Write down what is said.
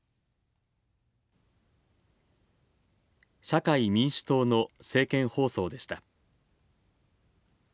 社会民主党の政見放送でした。